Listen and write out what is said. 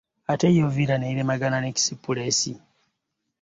Ate yo villa neremagana ne express.